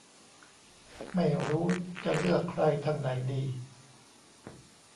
ไม่รู้จะเลือกใครทางไหนดี